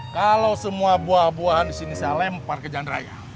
kalau semua buah buahan di sini saya lempar ke jalan raya